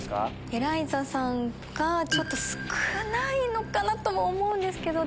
エライザさんがちょっと少ないのかなと思うんですけど。